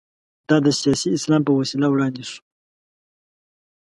دا د سیاسي اسلام په وسیله وړاندې شو.